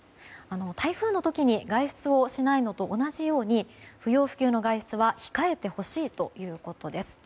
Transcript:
台風の時に外出をしないのと同じように不要不急の外出は控えてほしいということです。